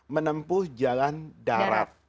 menempuh jalan darat